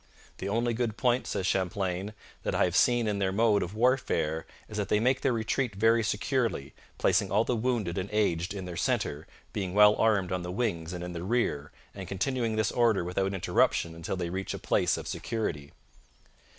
'The only good point,' says Champlain, 'that I have seen in their mode of warfare is that they make their retreat very securely, placing all the wounded and aged in their centre, being well armed on the wings and in the rear, and continuing this order without interruption until they reach a place of security.'